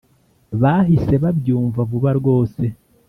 Bahise babyumva vuba rwose